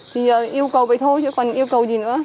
thì yêu cầu vậy thôi chứ còn yêu cầu gì nữa